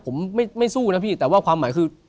ผมไม่สู้นะพี่แต่ว่าความหมายคือ